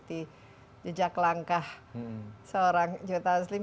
yang ikuti jejak langkah seorang joe taslim